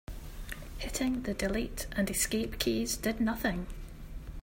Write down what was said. Hitting the delete and escape keys did nothing.